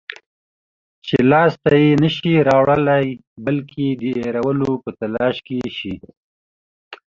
چې لاس ته یې نشی راوړلای، بلکې د هېرولو په تلاش کې شئ